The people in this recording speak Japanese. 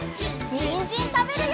にんじんたべるよ！